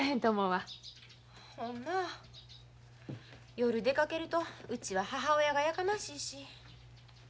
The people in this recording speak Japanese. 夜出かけるとうちは母親がやかましいし。